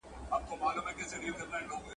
ورو په ورو د دام پر لوري ور روان سو !.